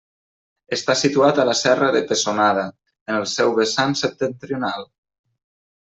Està situat a la Serra de Pessonada, en el seu vessant septentrional.